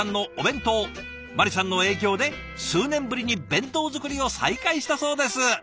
まりさんの影響で数年ぶりに弁当作りを再開したそうです。